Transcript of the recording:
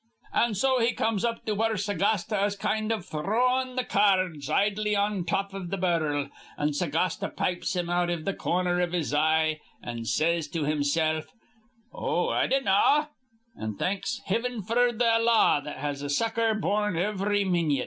"An' so he comes up to where Sagasta is kind iv throwin' th' ca ards idly on th' top iv th' bar'l, an' Sagasta pipes him out iv th' corner iv his eye, an' says to himsilf: 'Oh, I dinnaw,' an' thanks hiven f'r th' law that has a sucker bor rn ivry minyit.